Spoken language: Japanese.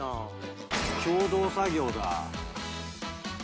共同作業だ。